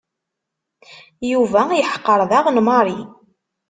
Yuba yeḥqer daɣen Mary.